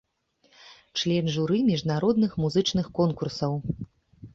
Член журы міжнародных музычных конкурсаў.